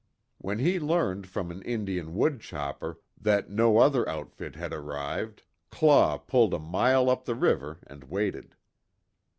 When he learned from an Indian wood chopper, that no other outfit had arrived, Claw pulled a mile up the river and waited.